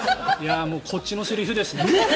こっちのセリフですね。